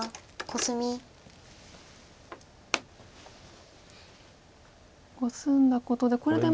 コスんだことでこれで。